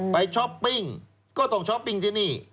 ช้อปปิ้งก็ต้องช้อปปิ้งที่นี่